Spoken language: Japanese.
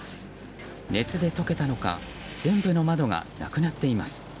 熱で溶けたのか全部の窓がなくなっています。